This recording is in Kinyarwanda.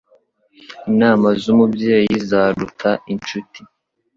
Inama z'umubyeyi zaruta inshuti